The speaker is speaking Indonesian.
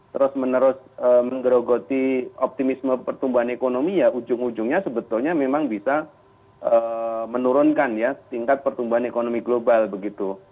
terus menerus menggerogoti optimisme pertumbuhan ekonomi ya ujung ujungnya sebetulnya memang bisa menurunkan ya tingkat pertumbuhan ekonomi global begitu